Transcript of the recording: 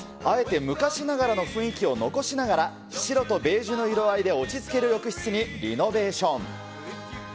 あえて昔ながらの雰囲気を残しながら、白とベージュの色合いで、落ち着ける浴室にリノベーション。